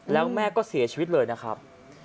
แล้วแม่ก็เสียชีวิตเลยนะครับ